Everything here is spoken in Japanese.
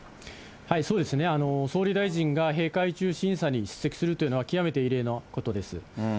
そうですね、総理大臣が閉会中審査に出席するというのは極めて異例のことです。